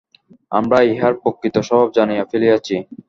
আমরা ইহার প্রকৃত স্বভাব জানিয়া ফেলিয়াছি।